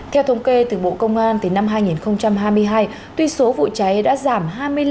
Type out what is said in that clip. theo thống kê từ bộ công an tới năm hai nghìn hai mươi hai tuy số vụ cháy đã giảm hai mươi năm một mươi một